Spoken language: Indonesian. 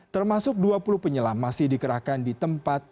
termasuk dua puluh penyelam masih dikerahkan di tempat